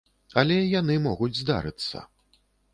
Але яны могуць здарыцца.